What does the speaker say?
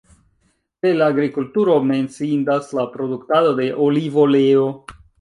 El agrikulturo menciindas la produktado de olivoleo.